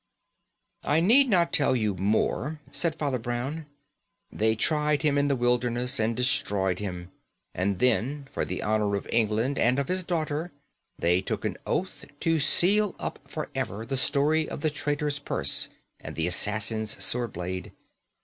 "I need not tell you more," said Father Brown. "They tried him in the wilderness and destroyed him; and then, for the honour of England and of his daughter, they took an oath to seal up for ever the story of the traitor's purse and the assassin's sword blade.